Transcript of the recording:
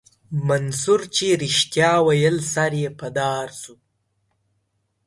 منصور چې رښتيا ويل سر يې په دار سو.